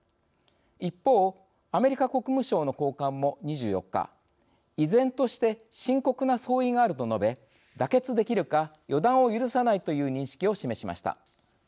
一方、アメリカ国務省の高官も２４日「依然として深刻な相違がある」と述べ妥結できるか予断を許さないという認識を示しました。